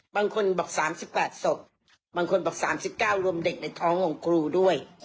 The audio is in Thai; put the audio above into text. บางคนบอก๓๘ศพบางคนบอก๓๙รวมเด็กในท้องของครูด้วย